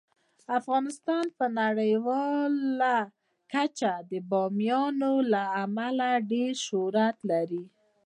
افغانستان په نړیواله کچه د بامیان له امله ډیر شهرت لري.